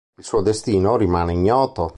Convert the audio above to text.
Il suo destino rimane ignoto.